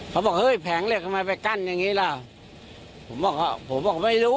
เขาบอกเฮ้ยแผงเหล็กทำไมไปกั้นอย่างงี้ล่ะผมบอกว่าผมบอกไม่รู้